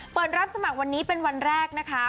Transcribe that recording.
เปิดรับสมัครวันนี้เป็นวันแรกนะคะ